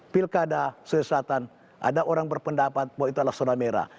pilkada sulawesi selatan ada orang berpendapat bahwa itu adalah zona merah